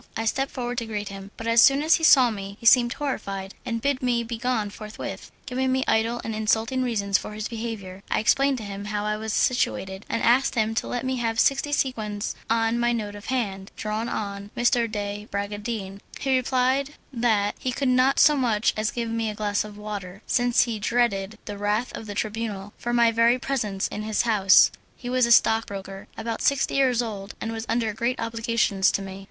I stepped forward to greet him, but as soon as he saw me he seemed horrified and bid me be gone forthwith, giving me idle and insulting reasons for his behaviour. I explained to him how I was situated, and asked him to let me have sixty sequins on my note of hand, drawn on M. de Bragadin. He replied that he could not so much as give me a glass of water, since he dreaded the wrath of the Tribunal for my very presence in his house. He was a stockbroker, about sixty years old, and was under great obligations to me.